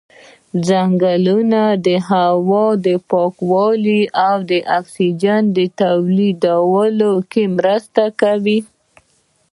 ځنګلونه د هوا د پاکولو او د اکسیجن تولیدولو کې مرسته کوي.